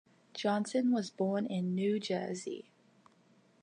Johnson was born in New Jersey.